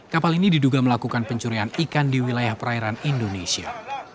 kapal ini diduga melakukan pencurian ikan di wilayah perairan indonesia